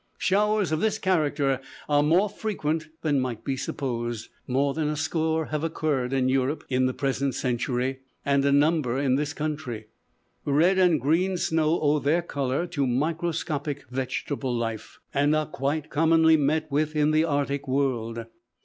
Showers of this character are more frequent than might be supposed. More than a score have occurred in Europe in the present century; and a number in this country. Red and green snow owe their color to microscopic vegetable life, and are quite commonly met with in the Arctic world.